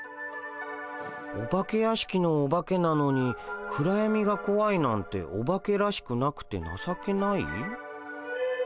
お化け屋敷のおばけなのに暗やみがこわいなんておばけらしくなくてなさけない？